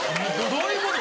どういうこと？